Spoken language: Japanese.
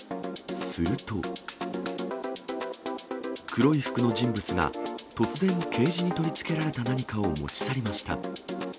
黒い服の人物が突然、ケージに取り付けられた何かを持ち去りました。